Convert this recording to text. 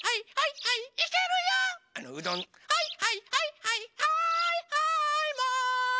「はいはいはいはいはいはいマン」